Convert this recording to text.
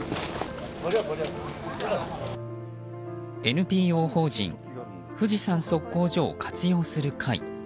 ＮＰＯ法人富士山測候所を活用する会。